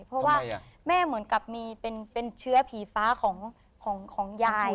เพราะว่าแม่เหมือนกับมีเป็นเชื้อผีฟ้าของยาย